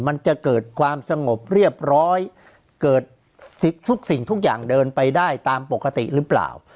มันจะเกิดความสงบเรียบร้อยเกิดทุกสิ่งทุกอย่างเดินไปได้ตามปกติหรือเปล่า